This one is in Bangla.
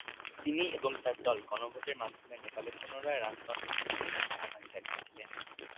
তিনি এবং তার দল গণভোটের মাধ্যমে নেপালে পুনরায় রাজতন্ত্র প্রতিষ্ঠার আহ্বান জানিয়েছিলেন।